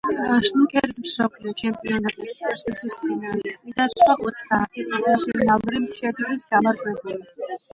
სნუკერის მსოფლიო ჩემპიონატის ექვსგზის ფინალისტი და სხვა ოცდაათი პროფესიონალური შეჯიბრის გამარჯვებული.